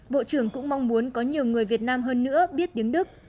bộ trưởng cũng mong muốn có nhiều người việt nam hơn nữa biết tiếng đức